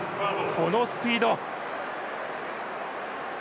このスピード。